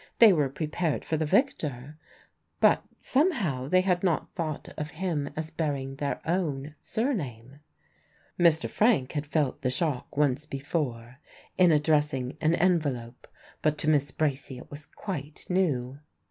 They were prepared for the "Victor," but somehow they had not thought of him as bearing their own surname. Mr. Frank had felt the shock once before, in addressing an envelope; but to Miss Bracy it was quite new.